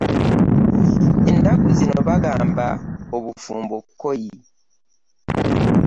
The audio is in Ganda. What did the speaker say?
Ennaku zino bagamba obufumbo kkoyi.